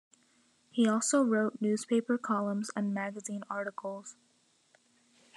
He also wrote newspaper columns and magazine articles.